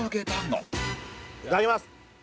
いただきます。